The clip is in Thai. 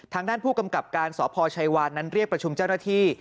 ทางด้านผู้กำกับการสพชัยวานนั้นเรียกประชุมเจ้าหน้าที่